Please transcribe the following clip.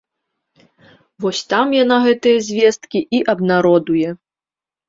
Вось там яна гэтыя звесткі і абнародуе.